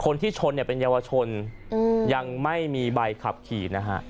คนที่ชนเนี่ยเป็นเยาวชนยังไม่มีใบขับขี่นะฮะ